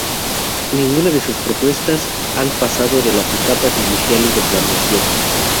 Ninguna de sus propuestas han pasado de las etapas iniciales de planeación.